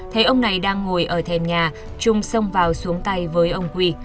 thấy ông này đang ngồi ở thèm nhà trung xông vào xuống tay với ông quy